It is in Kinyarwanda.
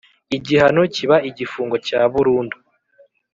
Igihano kiba igifungo cya burundu